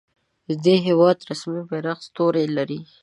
د دې هیواد رسمي بیرغ ستوری لري.